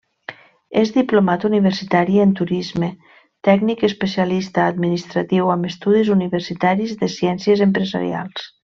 És diplomat universitari en Turisme, tècnic especialista administratiu amb estudis universitaris de ciències empresarials.